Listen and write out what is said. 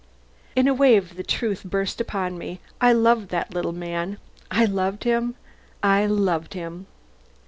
In a wave the truth burst upon me. I loved that little man: I loved him, I loved him.